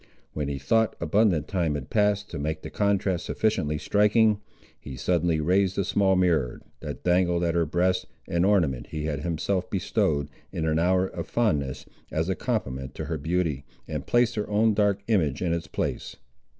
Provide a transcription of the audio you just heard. When he thought abundant time had passed to make the contrast sufficiently striking, he suddenly raised a small mirror, that dangled at her breast, an ornament he had himself bestowed, in an hour of fondness, as a compliment to her beauty, and placed her own dark image in its place.